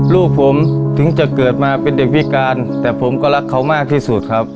ลูกผมถึงจะเกิดมาเป็นเด็กพิการแต่ผมก็รักเขามากที่สุดครับ